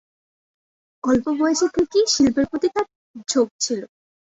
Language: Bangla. অল্প বয়স থেকেই শিল্পের প্রতি তার ঝোঁক ছিল।